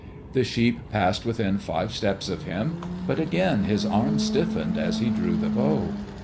The sheep passed within five steps of him, but again his arm stiffened as he drew the bow.